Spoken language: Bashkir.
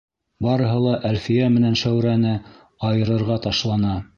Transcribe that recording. Барыһы ла Әлфиә менән Шәүрәне айырырға ташлана.